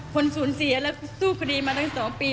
คนสูญเสียและสู้คดีมาตั้ง๒ปี